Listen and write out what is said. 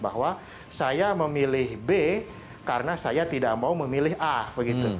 bahwa saya memilih b karena saya tidak mau memilih a begitu